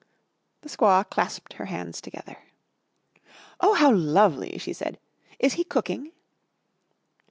The squaw clasped her hands together. "Oh, how lovely!" she said. "Is he cooking?"